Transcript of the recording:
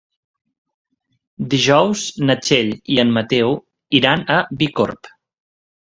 Dijous na Txell i en Mateu iran a Bicorb.